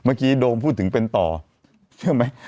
โดมพูดถึงเป็นต่อเชื่อไหม